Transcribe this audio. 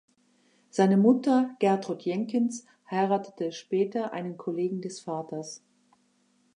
Seine Mutter Gertrud Jenkins heiratete später einen Kollegen des Vaters.